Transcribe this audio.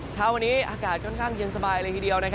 เช้าวันนี้อากาศค่อนข้างเย็นสบายเลยทีเดียว